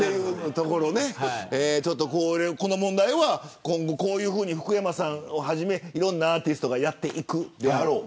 この問題は今後福山さんをはじめいろんなアーティストがやっていくだろう。